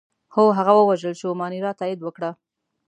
هو، هغه ووژل شو، مانیرا تایید وکړه.